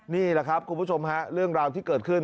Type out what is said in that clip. นี่แหละครับคุณผู้ชมฮะเรื่องราวที่เกิดขึ้น